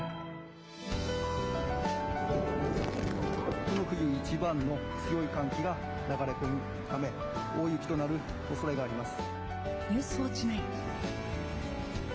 この冬いちばんの強い寒気が流れ込むため、大雪となるおそれがあります。